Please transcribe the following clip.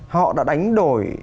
họ đã đánh đổi